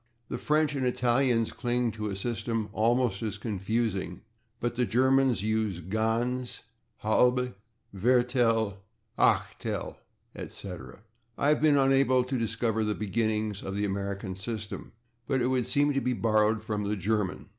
The French and Italians cling to a system almost as confusing, but the Germans use /ganze/, /halbe/, /viertel/, [Pg114] /achtel/, etc. I have been unable to discover the beginnings of the American system, but it would seem to be borrowed from the German.